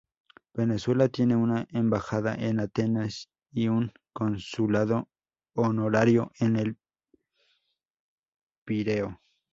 Venezuela tiene una embajada en Atenas y un consulado honorario en El Pireo.